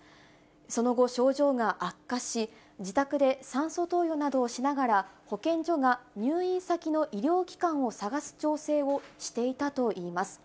その後、症状が悪化し、自宅で酸素投与などをしながら、保健所が入院先の医療機関を探す調整をしていたといいます。